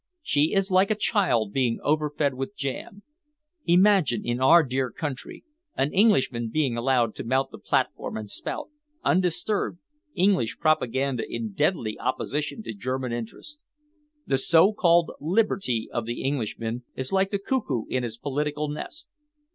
She is like a child being overfed with jam. Imagine, in our dear country, an Englishman being allowed to mount the platform and spout, undisturbed, English propaganda in deadly opposition to German interests. The so called liberty of the Englishman is like the cuckoo in his political nest.